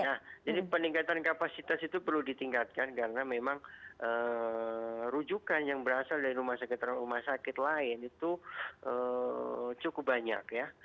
nah jadi peningkatan kapasitas itu perlu ditingkatkan karena memang rujukan yang berasal dari rumah sakit rumah sakit lain itu cukup banyak ya